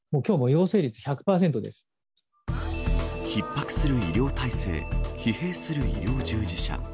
逼迫する医療体制疲弊する医療従事者。